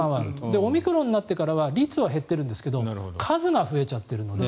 オミクロンになってからは率は減っているんですが数が増えちゃってるので。